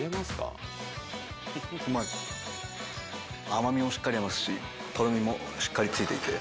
・甘味もしっかりありますしとろみもしっかりついていて。